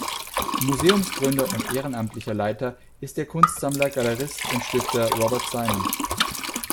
Museumsgründer und ehrenamtlicher Leiter ist der Kunstsammler, Galerist und Stifter Robert Simon.